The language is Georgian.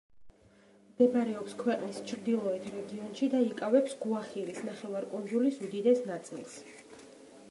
მდებარეობს ქვეყნის ჩრდილოეთ რეგიონში და იკავებს გუახირის ნახევარკუნძულის უდიდეს ნაწილს.